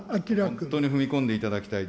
本当に踏み込んでいただきたい。